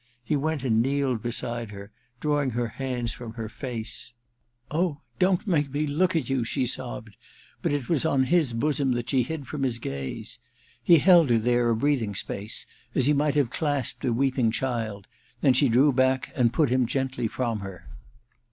He went and kneeled beside her, drawing her hands from her face. * Oh, don't make me look at you !* she sobbed ; but it was on his bosom that she hid from his gaze. He held her there a breathing space, as he might have clasped a weeping child ; then she drew back and put him gently from her.